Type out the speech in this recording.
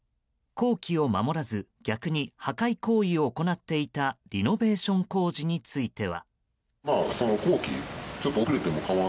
工期を守らず逆に破壊行為を行っていたリノベーション工事については。